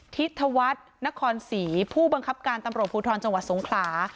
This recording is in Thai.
ทิศธวัฒน์นครศรีผู้บังคับการตำรวจภูทรจังหวัดสงขลา